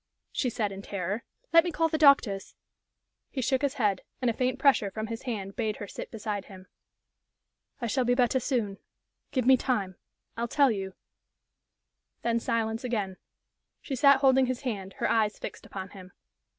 she said, in terror. "Let me call the doctors." He shook his head, and a faint pressure from his hand bade her sit beside him. "I shall be better soon. Give me time. I'll tell you " Then silence again. She sat holding his hand, her eyes fixed upon him.